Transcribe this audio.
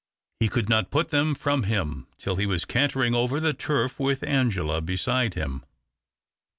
He could not put them from him till he was cantering over the turf with Angela beside him.